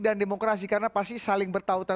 dan demokrasi karena pasti saling bertahutan